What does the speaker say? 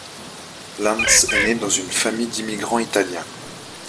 Lantz est né dans une famille d'immigrants italiens.